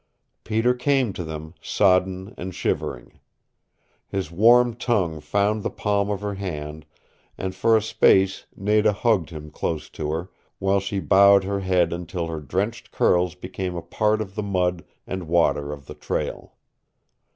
Peter came to them, sodden and shivering. His warm tongue found the palm of her hand, and for a space Nada hugged him close to her, while she bowed her head until her drenched curls became a part of the mud and water of the trail.